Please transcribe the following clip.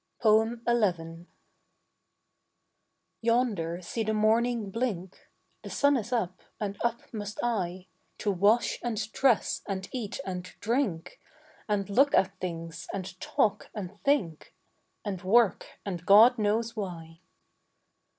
XI. Yonder see the morning blink: The sun is up, and up must I, To wash and dress and eat and drink And look at things and talk and think And work, and God knows why.